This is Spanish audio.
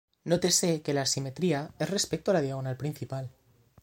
Nótese que la simetría es respecto a la diagonal principal.